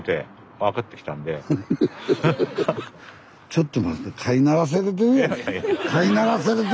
ちょっと待って。